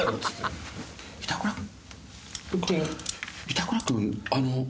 板倉君あの。